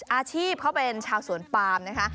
อาชีพเขาเป็นชาวสวนปามนะคะ